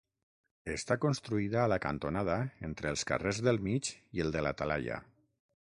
Està construïda a la cantonada entre els carrers del Mig i el de la Talaia.